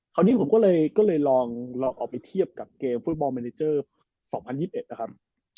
คราวนี้ผมก็เลยลองเอาไปเทียบกับเกมฟุตบอลเมเนเจอร์๒๐๒๑นะครับ